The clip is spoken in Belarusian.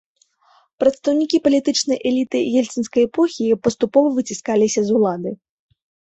Прадстаўнікі палітычнай эліты ельцынскай эпохі паступова выціскаліся з улады.